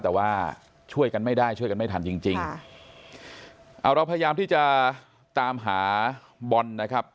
แต่ว่าช่วยกันไม่ได้ช่วยกันไม่ทันจริงจริงค่ะเอาเราพยายามที่จะตามหาบอลนะครับ